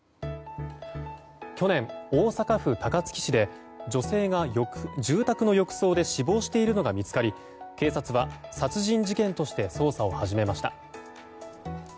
去年、大阪府高槻市で女性が住宅の浴槽で死亡しているのが見つかり警察は殺人事件として捜査を始めました。